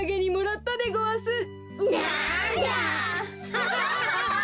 アハハハハ！